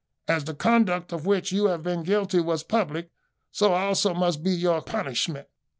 As the conduct of which you have been guilty was public, so also must be your punishment.